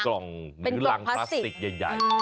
กล่องหรือรังพลาสติกใหญ่